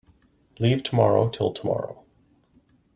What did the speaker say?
Leave tomorrow till tomorrow.